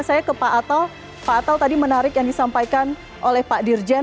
saya ke pak atal pak atal tadi menarik yang disampaikan oleh pak dirjen